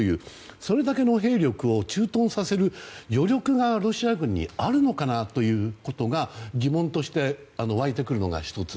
それだけ兵力を駐屯させる余力がロシア軍にあるのかなという疑問が湧いてくるのが１つ。